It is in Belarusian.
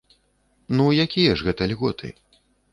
Ну якія ж гэта льготы?